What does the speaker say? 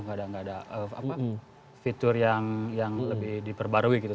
nggak ada fitur yang lebih diperbarui gitu